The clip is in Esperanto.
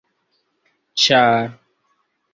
ĉar